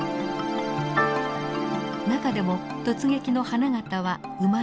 中でも突撃の花形は馬でした。